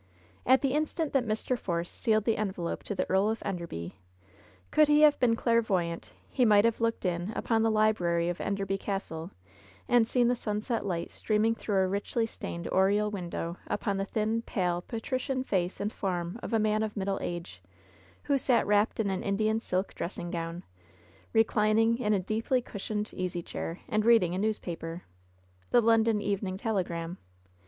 At the instant that Mr. Force sealed the envelope to the Earl of Enderby, could he have been clairvoyant, he might have looked in upon the library of Enderby Cas tle and seen the sunset light streaming through a richly stained oriel window upon the thin, pale, patrician face and form of a man of middle age, who sat wrapped in LOVE'S BITTEREST CUP 51 an Indian silk dressing gown, reclining in a deeply cush ioned easy chair, and reading a newspaper — ^the London Evening Telegram.